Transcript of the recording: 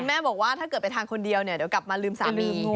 แม่บอกว่าถ้าเกิดไปทานคนเดียวเนี่ยเดี๋ยวกลับมาลืมสามี